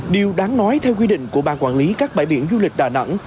điều đáng nói theo quy định của ban quản lý các bãi biển du lịch đà nẵng